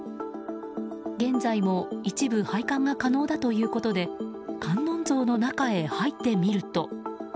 現在も一部拝観が可能だということで観音像の中へ入ってみると。